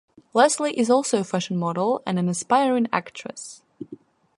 Leslie is also a fashion model and an aspiring actress.